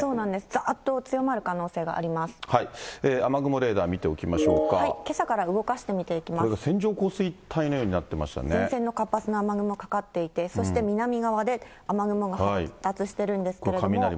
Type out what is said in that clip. ざーっと強ま雨雲レーダー見ておきましょけさから動かして見ていきま線状降水帯のようになってま前線の活発な雨雲かかっていて、そして南側で雨雲が発達してるんですけれども。